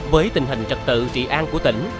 với tình hình trật tự trị an của tỉnh